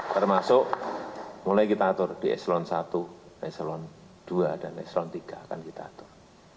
termasuk mulai kita atur di eselon i eselon ii dan eselon tiga akan kita atur